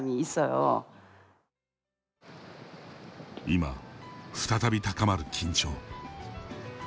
今、再び高まる緊張。